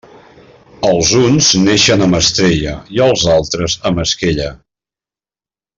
Els uns neixen amb estrella, i els altres amb esquella.